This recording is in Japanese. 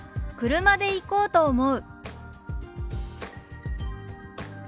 「車で行こうと思う」。